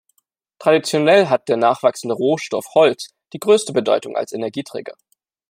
Traditionell hat der nachwachsende Rohstoff Holz die größte Bedeutung als Energieträger.